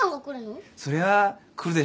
そりゃ来るでしょうね。